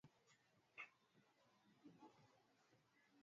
fu tukafahamisha hawa askari wa kijeshi wa kigeni